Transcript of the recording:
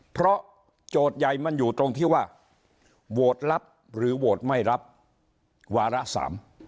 เพราะโจทย์ใหญ่มันอยู่ตรงที่ว่าโหวตรับหรือโหวตไม่รับวาระสาม